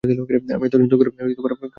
আমি এত সুন্দর করে গল্প বলতে কাউকে শুনি নি।